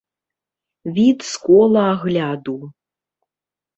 Від з кола агляду.